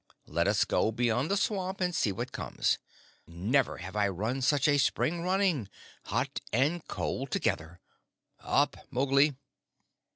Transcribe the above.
Let us go beyond the swamp, and see what comes. Never have I run such a spring running hot and cold together. Up, Mowgli!"